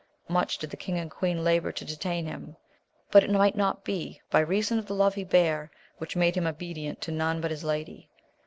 Much did the king and queen labour to detain him, but it might not be by reason of the love he bare, which made him obedient to none but his lady.